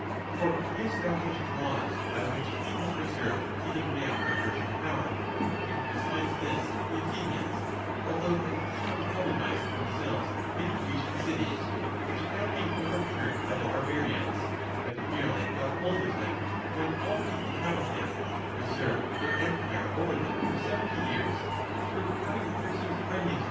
For he established laws, by | which he has preserved even now the Persian power ; and be sides this the Athenians, although they had not colonized them selves many Grecian cities, which had been overturned by the Barbarians, but merely got hold of them, when already inhabited, preserved their empire over them for seventy years, through having persons friendly to them in each of the towns.